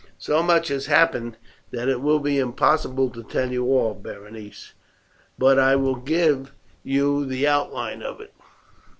"So much has happened that it will be impossible to tell you all, Berenice; but I will give you the outline of it.